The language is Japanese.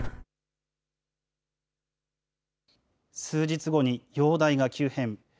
数日後に容体が急変。